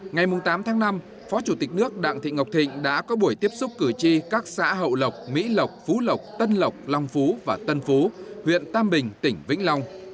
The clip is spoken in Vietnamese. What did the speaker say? ngày tám tháng năm phó chủ tịch nước đặng thị ngọc thịnh đã có buổi tiếp xúc cử tri các xã hậu lộc mỹ lộc phú lộc tân lộc long phú và tân phú huyện tam bình tỉnh vĩnh long